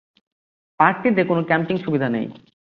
পার্কটিতে কোন ক্যাম্পিং সুবিধা নেই।